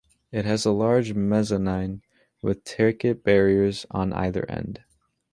It has a large mezzanine with ticket barriers on either end.